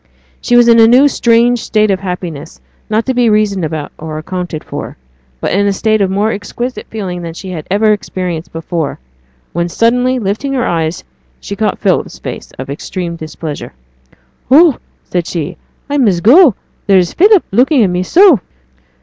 She was in a new strange state of happiness not to be reasoned about, or accounted for, but in a state of more exquisite feeling than she had ever experienced before; when, suddenly lifting her eyes, she caught Philip's face of extreme displeasure. 'Oh,' said she, 'I must go. There's Philip looking at me so.'